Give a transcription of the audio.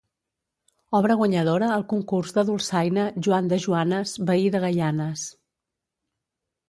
Obra guanyadora al Concurs de Dolçaina Joan de Joanes, veí de Gaianes.